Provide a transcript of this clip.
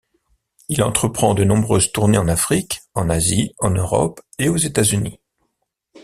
Il entreprend de nombreuses tournées en Afrique, en Asie, en Europe et aux États-Unis.